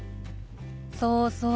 そうそう。